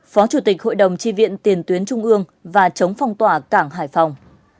phó chủ tịch hội đồng chi viện tiền tuyến trung ương và chống phong tỏa cảng hải phòng